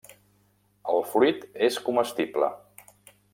El fruit és comestible.